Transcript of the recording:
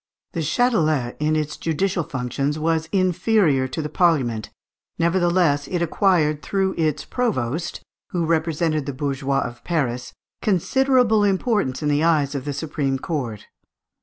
The Châtelet, in its judicial functions, was inferior to the Parliament, nevertheless it acquired, through its provost, who represented the bourgeois of Paris, considerable importance in the eyes of the supreme court.